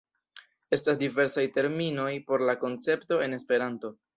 Estas diversaj terminoj por la koncepto en Esperanto.